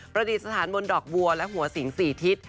ดิษฐานบนดอกบัวและหัวสิง๔ทิศ